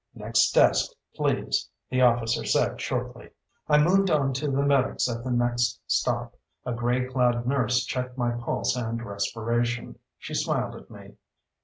"Next desk, please," the officer said shortly. I moved on to the medics at the next stop. A gray clad nurse checked my pulse and respiration. She smiled at me.